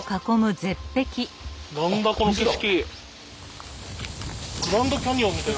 何だこの景色。